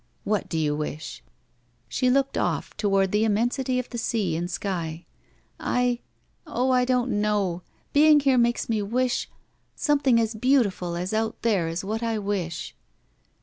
"What do you wish?" She looked c^ toward the immensity of sea and sky. "I — Oh, I don't know! Being here makes me wish — Something as beautiful as out there is what I wish."